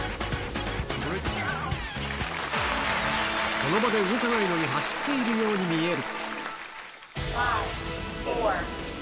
その場で動かないのに走っているように見える。